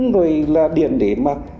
rồi là điện để mà